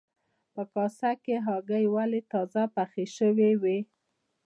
په کاسه کې هګۍ وې تازه پخې شوې وې.